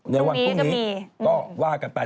ในวันพรุ่งนี้ก็ว่ากันไป